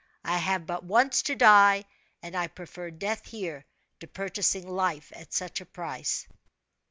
I have but once to die and I prefer death here, to purchasing life at such a price."